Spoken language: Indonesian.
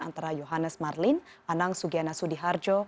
antara yohannes marlin anang sugiana sudiharjo